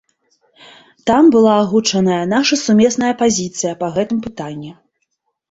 Там была агучаная наша сумесная пазіцыя па гэтым пытанні.